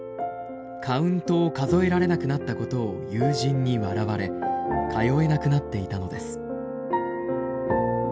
カウントを数えられなくなったことを友人に笑われ通えなくなっていたのです。